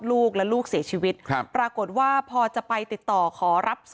แล้วปีบไว้ไปไหนอ่ะพี่ปีบไว้ไหน